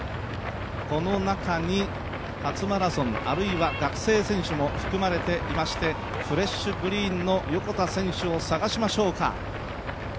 この中に初マラソンあるいは学生選手も含まれていましてフレッシュグリーンの横田選手を探しましょうか。